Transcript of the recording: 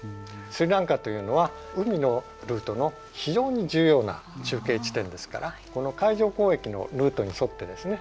スリランカというのは海のルートの非常に重要な中継地点ですからこの海上交易のルートに沿ってですね